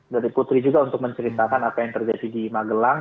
dari putri juga untuk menceritakan apa yang terjadi di magelang